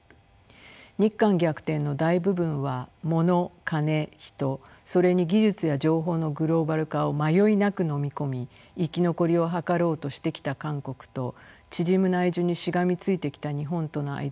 日韓逆転の大部分はモノカネヒトそれに技術や情報のグローバル化を迷いなくのみ込み生き残りを図ろうとしてきた韓国と縮む内需にしがみついてきた日本との間で生じました。